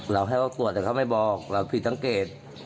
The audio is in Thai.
เราให้เค้าตรวจแต่เค้าไม่บอกเราผิดตังเกต